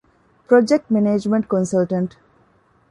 ޕްރޮޖެކްޓް މެނޭޖްމަންޓް ކޮންސަލްޓަންޓް